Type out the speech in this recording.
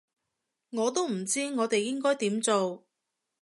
我都唔知我哋應該點做